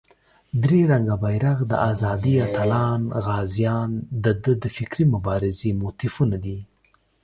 درې رنګه بېرغ، د آزادۍ اتلان، غازیان دده د فکري مبارزې موتیفونه دي.